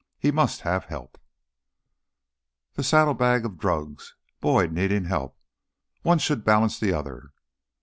He must have help. The saddlebags of drugs, Boyd needing help one should balance the other.